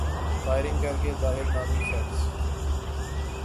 firing کر کے زاہد نامی شخص